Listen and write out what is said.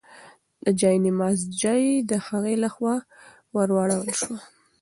د جاینماز ژۍ د هغې لخوا ورواړول شوه.